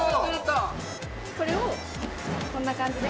これをこんな感じで。